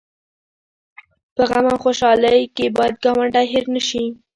په غم او خوشحالۍ کې باید ګاونډی هېر نه شي